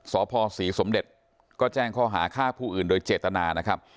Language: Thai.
สพศรีสมเด็จก็แจ้งข้อหาฆ่าผู้อื่นโดยเจตนานะครับ